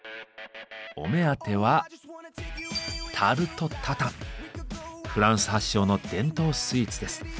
お目当てはフランス発祥の伝統スイーツです。